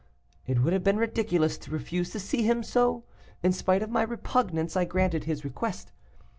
"It would have been ridiculous to refuse to see him, so, in spite of my repugnance, I granted his request.